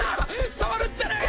触るんじゃねえ！